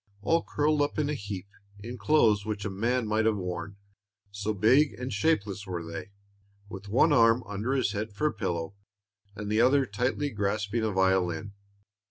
All curled up in a heap, in clothes which a man might have worn, so big and shapeless were they, with one arm under his head for a pillow, and the other tightly grasping a violin.